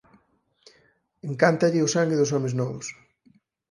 Encántalle o sangue dos homes novos...